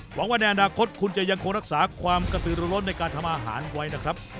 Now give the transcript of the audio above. หวังว่าในอนาคตคุณจะยังคงรักษาความกระสือร้นในการทำอาหารไว้นะครับ